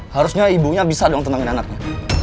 harusnya ibunya bisa dong tenangin anaknya